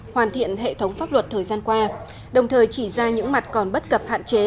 hoàn thiện hệ thống pháp luật thời gian qua đồng thời chỉ ra những mặt còn bất cập hạn chế